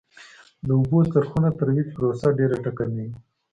د اوبو څرخونو ترویج پروسه ډېره ټکنۍ وه